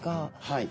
はい。